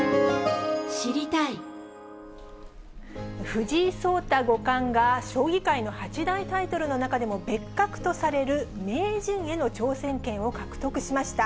藤井聡太五冠が将棋界の八大タイトルの中でも別格とされる名人への挑戦権を獲得しました。